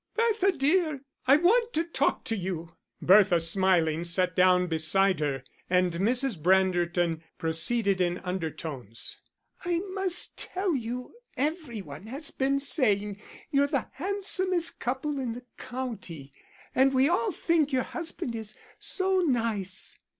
"Bertha, dear, I want to talk to you." Bertha, smiling, sat down beside her, and Mrs. Branderton proceeded in undertones. "I must tell you, every one has been saying you're the handsomest couple in the county, and we all think your husband is so nice."